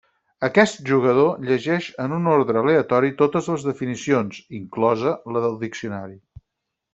Aquest jugador llegeix en un ordre aleatori totes les definicions, inclosa la del diccionari.